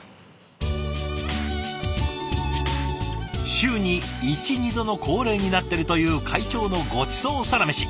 週に１２度の恒例になっているという会長のごちそうサラメシ。